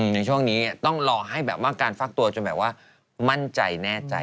ในช่วงนี้ต้องรอให้แบบว่าการฟักตัวจนแบบว่ามั่นใจแน่ใจ